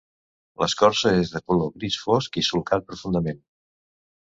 L'escorça és de color gris fosc i solcat profundament.